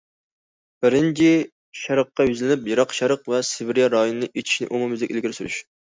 بىرىنچى، شەرققە يۈزلىنىپ، يىراق شەرق ۋە سىبىرىيە رايونىنى ئېچىشنى ئومۇميۈزلۈك ئىلگىرى سۈرۈش.